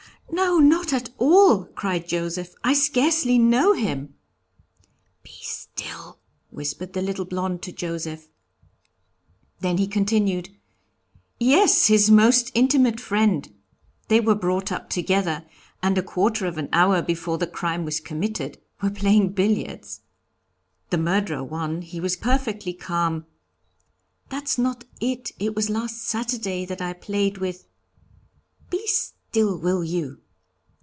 'No, not at all,' cried Joseph, 'I scarcely know him.' 'Be still,' whispered the little blond to Joseph; then he continued, 'Yes, his most intimate friend. They were brought up together, and a quarter of an hour before the crime was committed were playing billiards. The murderer won, he was perfectly calm ' 'That's not it, it was last Saturday that I played with ' 'Be still, will you!